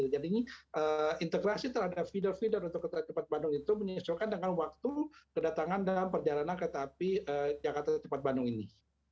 jadi ini integrasi terhadap feeder feeder untuk kereta cepat bandung itu menyesuaikan dengan waktu kedatangan dan perjalanan kereta api jakarta cepat bandung ini